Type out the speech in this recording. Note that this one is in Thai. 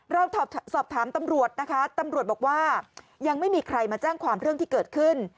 เราสอบถามตำรวจนะคะตำรวจบอกว่ายังไม่มีใครมาแจ้งความเรื่องที่เกิดขึ้น